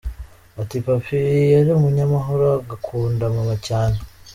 Ati “Papy yari umunyamahoro, agakunda mama cyane.